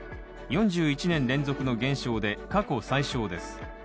４１年連続の減少で、過去最少です。